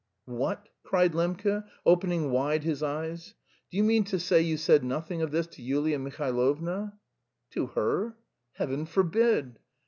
"What?" cried Lembke, opening wide his eyes. "Do you mean to say you said nothing of this to Yulia Mihailovna?" "To her? Heaven forbid!